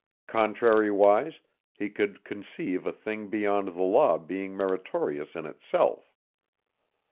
Contrariwise, he could conceive a thing beyond the law being meritorious in itself.